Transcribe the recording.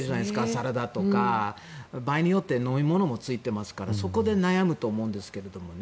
サラダとか、場合によっては飲み物もついていますからそこで悩むと思うんですけどね。